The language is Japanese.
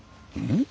ん？